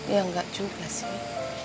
ya enggak juga sih